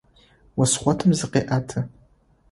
Ос хъотым зыкъеӏэты.